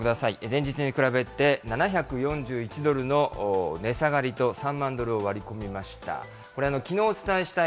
前日に比べて、７４１ドルの値下がりと３万ドルを割り込みました。